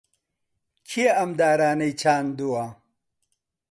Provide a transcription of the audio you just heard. کێ ئەم دارانەی چاندووە؟